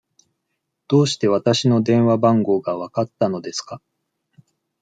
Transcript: どうしてわたしの電話番号がわかったのですか。